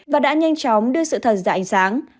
và đã nhanh chóng đưa sự thật ra ánh sáng